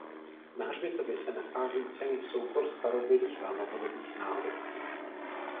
Na hřbitově se nachází cenný soubor starobylých a novodobých náhrobků.